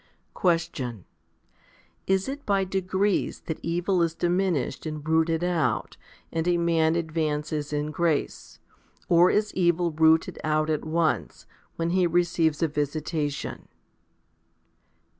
41. Question. Is it by degrees that evil is diminished and rooted out, and a man advances in grace ? or is evil rooted out at once, when he receives a visitation